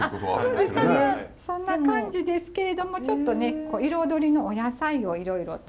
そんな感じですけれどもちょっとね彩りのお野菜をいろいろと。